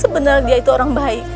sebenarnya dia itu orang baik